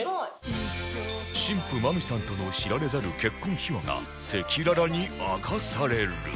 新婦マミさんとの知られざる結婚秘話が赤裸々に明かされる